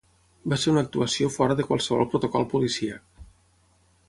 Va ser una actuació fora de qualsevol protocol policíac.